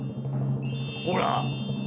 ほら。